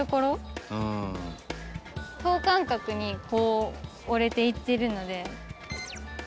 等間隔にこう折れていってるので。